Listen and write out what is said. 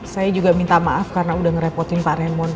saya juga minta maaf karena udah ngerepotin pak remon